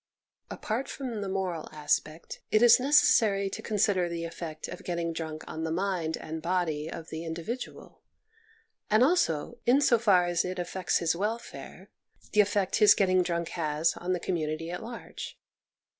Apart from the moral aspect, it is neces sary to consider the effect of getting drunk on the mind and body of the individual, and also, in so far as it affects his welfare, the effect his getting drunk has on the com munity at large.